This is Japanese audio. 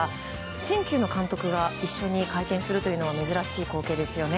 新旧の監督が一緒に会見するのは珍しい光景ですよね。